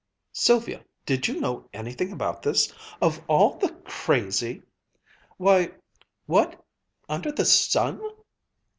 Sylvia, did you know anything about this? Of all the crazy why, what under the sun